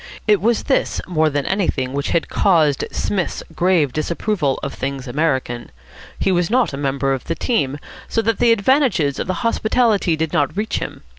It was this more than anything which had caused Psmith's grave disapproval of things American. He was not a member of the team, so that the advantages of the hospitality did not reach him.